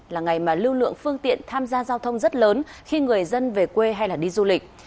là ngày mà lưu lượng phương tiện tham gia giao thông rất lớn khi người dân về quê hay đi du lịch